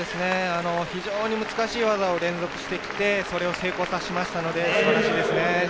非常に難しい技を連続してきて、それを成功させましたので素晴らしいですね。